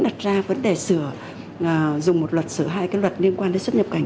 đặt ra vấn đề sửa dùng một luật sửa hai cái luật liên quan đến xuất nhập cảnh